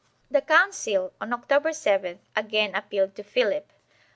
The Council, on October 7th, again appealed to Philip.